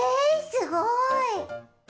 すごい！